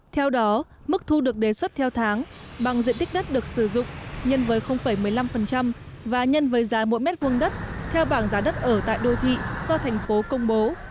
theo đó mức thu được đề xuất theo tháng bằng diện tích đất được sử dụng nhân với một mươi năm và nhân với giá mỗi mét vuông đất theo bảng giá đất ở tại đô thị do thành phố công bố